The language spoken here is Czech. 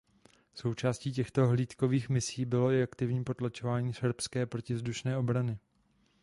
Součástí těchto hlídkových misí bylo i aktivní potlačování srbské protivzdušné obrany.